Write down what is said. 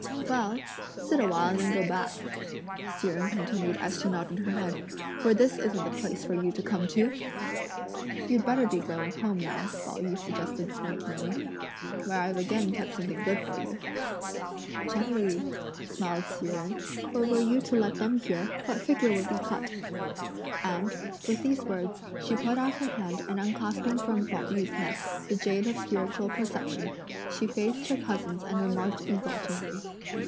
"Well, sit a while and then go back;" Hsi Jen continued as she nodded her head; "for this isn't the place for you to come to!" "You'd better be going home now," Pao yü suggested smirkingly; "where I've again kept something good for you." "Gently," smiled Hsi Jen, "for were you to let them hear, what figure would we cut?" And with these, words, she put out her hand and unclasping from Pao yü's neck the jade of Spiritual Perception, she faced her cousins and remarked exultingly.